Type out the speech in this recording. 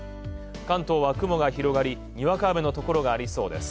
関東は雲が広がりにわか雨のところがありそうです